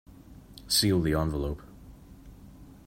Seal the envelope.